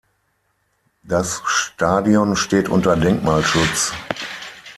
Das Stadion steht unter Denkmalschutz.